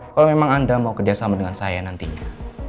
kalau memang anda mau kerjasama dengan saya nantinya